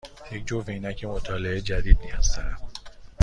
یک جفت عینک مطالعه جدید نیاز دارم.